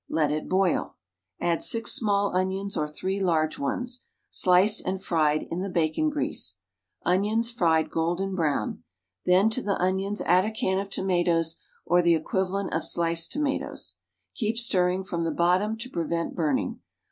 Let it boil. Add six small onions or three large ones. Sliced and fried in the bacon grease. Onions fried golden brown. Then to' the onions add a can of tomatoes or the equiv alent of sliced tomatoes. Keep stirring from the bottom to prevent burning.